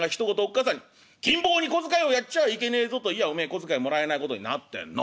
母さんに『金坊に小遣いをやっちゃいけねえぞ』と言やあお前小遣いもらえないことになってんの」。